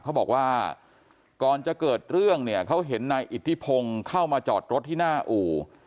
เขาบอกว่าก่อนจะเกิดเรื่องเนี่ยเขาเห็นนายอิทธิพงศ์เข้ามาจอดรถที่หน้าอู่